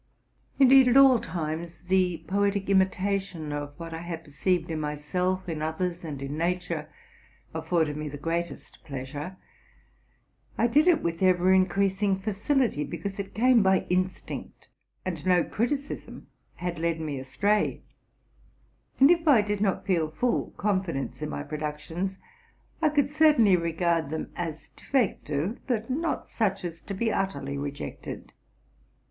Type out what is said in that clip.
Indeed, at all times, the poetic imitation of what I had perceived in myself, in others, and in nature, afforded me the greatest pleasure. I did it with ever increasing facility, because it came by instinct, and no criticism had led me astray ; and, if I did not feel full confidence in my produc tions, I could certainly regard them as defective, but not such as to be utterly rejected.